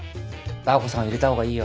ダー子さんを入れた方がいいよ。